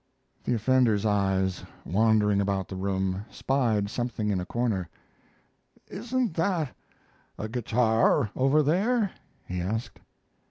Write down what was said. The offender's eyes, wandering about the room, spied something in a corner. "Isn't that a guitar over there?" he asked.